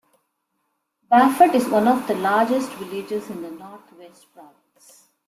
Bafut is one of the largest villages in the North West Province.